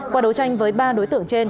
qua đấu tranh với ba đối tượng trên